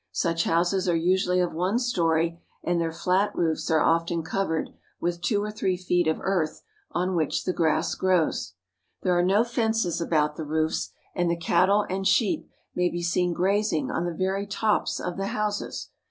Such houses are usually of one story, and their flat roofs are often covered with two or three feet of earth on which the grass grows. There are no fences about the roofs, and the cattle and sheep may be seen grazing on the very tops of the houses.